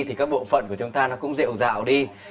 thì các bộ phận của chúng ta nó cũng dịu dạo đi